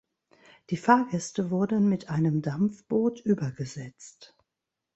Die Fahrgäste wurden mit einem Dampfboot übergesetzt.